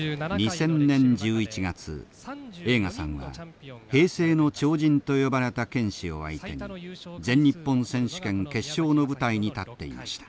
２０００年１１月栄花さんは「平成の超人」と呼ばれた剣士を相手に全日本選手権決勝の舞台に立っていました。